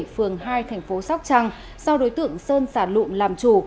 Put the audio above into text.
phường hai thành phố sóc trăng sau đối tượng sơn sả lụng làm chủ